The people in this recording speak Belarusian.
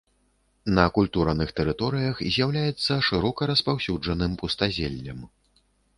На акультураных тэрыторыях з'яўляецца шырока распаўсюджаным пустазеллем.